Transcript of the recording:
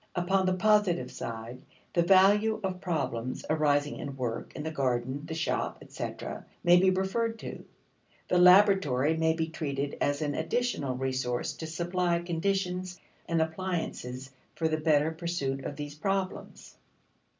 1 Upon the positive side, the value of problems arising in work in the garden, the shop, etc., may be referred to (See p. 200). The laboratory may be treated as an additional resource to supply conditions and appliances for the better pursuit of these problems.